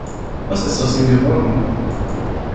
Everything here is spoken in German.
Was ist aus ihm geworden?